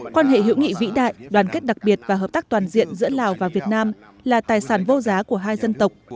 quan hệ hữu nghị vĩ đại đoàn kết đặc biệt và hợp tác toàn diện giữa lào và việt nam là tài sản vô giá của hai dân tộc